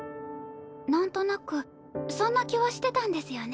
なんとなくそんな気はしてたんですよね。